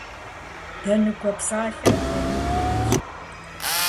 «ДэныкӀуэ» псалъэм мыхьэнитӀ иӀэщ.